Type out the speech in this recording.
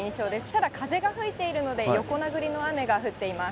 ただ、風が吹いているので、横殴りの雨が降っています。